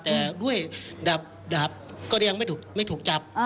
แต่ด้วยดาบก็ยังไม่ถูกจับ